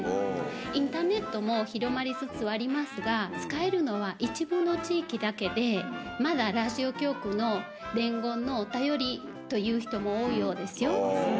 インターネットも広まりつつはありますが、使えるのは一部の地域だけで、まだラジオ局の伝言の頼りという人も多いようですよ。